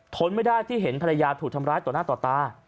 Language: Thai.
ทนไม่ได้ที่เห็นภรรยาถูกทำร้ายต่อหน้าต่อตา